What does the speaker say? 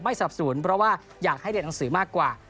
สนับสนเพราะว่าอยากให้เรียนหนังสือมากกว่า